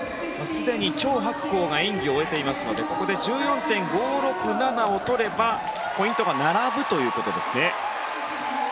すでにチョウ・ハクコウが演技を終えていますのでここで１４．５６７を取ればポイントが並ぶということですね。